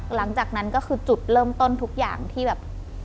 หลังจากนั้นก็คือจุดเริ่มต้นทุกอย่างที่แบบ